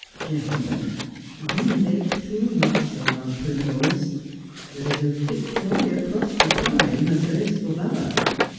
Gentlemen, we make too much of our criminals. There is a Victoria Cross for crime, as there is for valour.